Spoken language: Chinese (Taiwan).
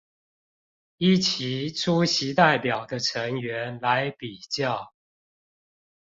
依其出席代表的成員來比較